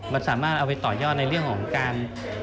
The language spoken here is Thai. มันสามารถเอาไปต่อยอดในเรื่องของการ